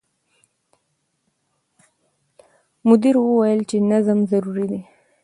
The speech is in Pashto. مدیر وویل چې نظم ضروري دی.